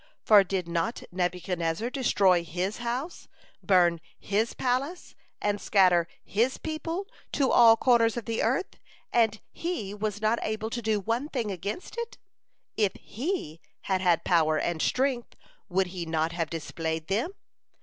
For did not Nebuchadnezzar destroy His house, burn His palace, and scatter His people to all corners of the earth, and He was not able to do one thing against it? If He had had power and strength, would he not have displayed them?